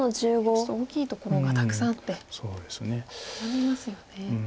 大きいところがたくさんあって悩みますよね。